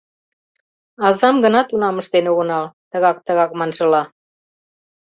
Азам гына тунам ыштен огынал, — тыгак-тыгак маншыла.